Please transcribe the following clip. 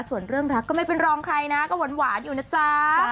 ส่วนเรื่องรักก็ไม่เป็นรองใครนะก็หวานอยู่นะจ๊ะ